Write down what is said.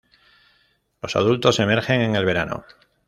Los adultos emergen en el verano.